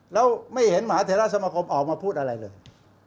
แล้วไม่เห็นหมาเทราสมคมออกมาพูดอะไรเลย